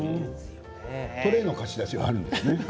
トレーの貸し出しはあるんですね。